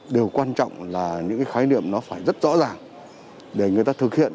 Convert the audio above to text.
điều quan trọng là những cái khái niệm nó phải rất rõ ràng để người ta thực hiện